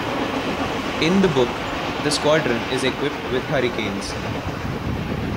In the book, the squadron is equipped with Hurricanes.